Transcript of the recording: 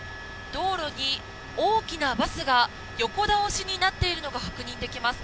道路に大きなバスが横倒しになっているのが確認できます。